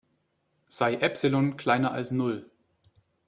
Sei Epsilon kleiner als Null.